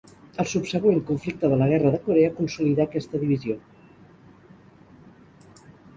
El subsegüent conflicte de la Guerra de Corea consolidà aquesta divisió.